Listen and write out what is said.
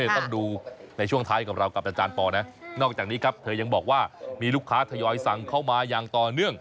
ต้องดูในช่วงท้ายกับเรากับอาจารย์ปอลนะนอกจากนี้ครับเธอยังบอกว่ามีลูกค้าทยอยสั่งเข้ามาอย่างต่อเนื่อง